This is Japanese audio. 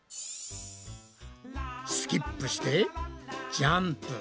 スキップしてジャンプ！